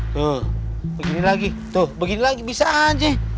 tuh begini lagi tuh begini lagi bisa aja